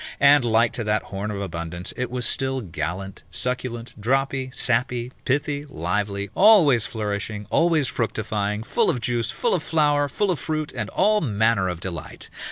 And, like to that horn of abundance, it was still gallant, succulent, droppy, sappy, pithy, lively, always flourishing, always fructifying, full of juice, full of flower, full of fruit, and all manner of delight.